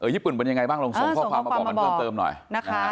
ญี่ปุ่นเป็นยังไงบ้างลองส่งข้อความมาบอกกันเพิ่มเติมหน่อยนะคะ